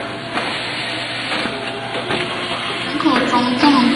人口中藏族居多数。